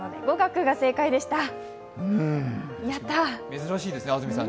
珍しいですね、安住さん。